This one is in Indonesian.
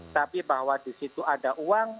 tapi bahwa di situ ada uang